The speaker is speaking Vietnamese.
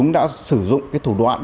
đã sử dụng thủ đoạn